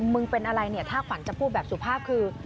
มึงเป็นอะไรถ้าขวัญจะพูดแบบสุภาพคือ